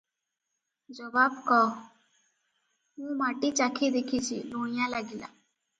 ଜବାବ କଃ - ମୁଁ ମାଟି ଚାଖି ଦେଖିଛି ଲୁଣିଆ ଲାଗିଲା ।